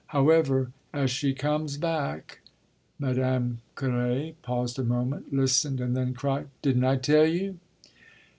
However, as she comes back !" Madame Carré paused a moment, listened and then cried: "Didn't I tell you?"